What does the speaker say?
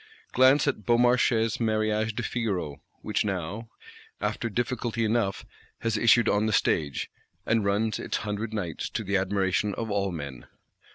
Glance at Beaumarchais' Mariage de Figaro; which now (in 1784), after difficulty enough, has issued on the stage; and "runs its hundred nights," to the admiration of all men.